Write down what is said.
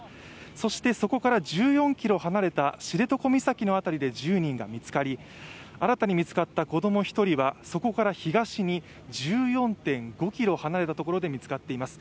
そしてそこから１４ｋｍから離れた知床岬の辺りで１０人が見つかり、新たに見つかった子供１人はそこから東に１４．５ｋｍ離れたところで見つかっています。